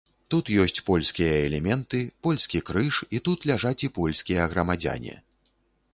Тут ёсць польскія элементы, польскі крыж, і тут ляжаць і польскія грамадзяне.